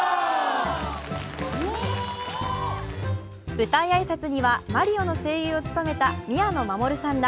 舞台挨拶にはマリオの声優を務めた宮野真守さんら